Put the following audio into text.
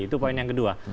itu poin yang kedua